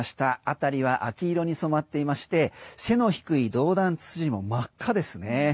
辺りは秋色に染まっていまして背の低いドウダンツツジも真っ赤ですね。